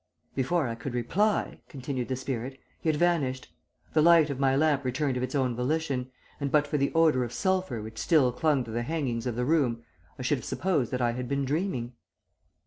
"Before I could reply," continued the spirit, "he had vanished. The light of my lamp returned of its own volition, and but for the odour of sulphur which still clung to the hangings of the room I should have supposed that I had been dreaming.